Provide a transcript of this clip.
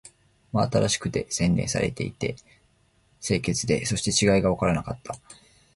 真新しくて、洗練されていて、清潔で、そして違いがわからなかった